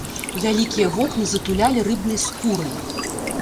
Вялікія вокны затулялі рыбнай скурай.